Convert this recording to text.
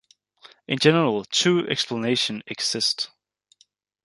In general two explanation exist.